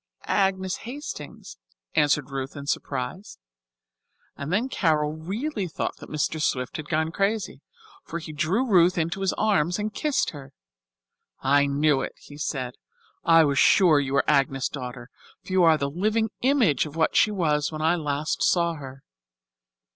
"Agnes Hastings," answered Ruth in surprise. And then Carol really thought that Mr. Swift had gone crazy, for he drew Ruth into his arms and kissed her. "I knew it," he said. "I was sure you were Agnes' daughter, for you are the living image of what she was when I last saw her.